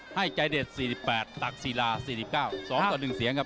ให้ใจเด็ด๔๘ตักศิลา๔๙๒ต่อ๑เสียงครับ